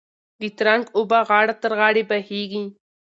د ترنګ اوبه غاړه تر غاړې بهېږي.